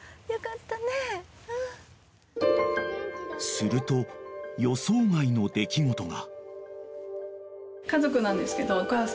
［すると予想外の出来事が］